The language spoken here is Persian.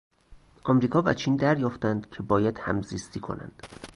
امریکا و چین دریافتند که باید همزیستی کنند.